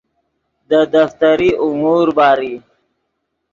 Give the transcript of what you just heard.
دے دفتری امور باری